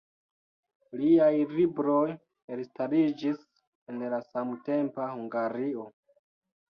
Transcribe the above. Liaj libroj elstariĝis en la samtempa Hungario.